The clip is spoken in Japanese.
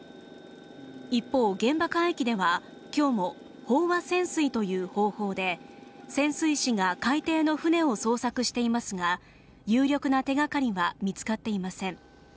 一方現場海域ではきょうも飽和潜水という方法で潜水士が海底の船を捜索していますが有力な手がかりは見つかっていません